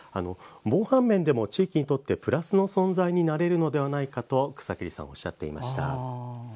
防犯面でも、地域にとってプラスの存在になれるのではないかと草切さんはおっしゃっていました。